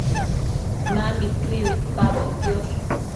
Mambi chui uidpaboc quiosh